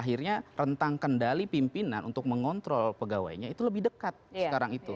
akhirnya rentang kendali pimpinan untuk mengontrol pegawainya itu lebih dekat sekarang itu